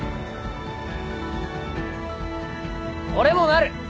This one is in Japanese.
俺もなる。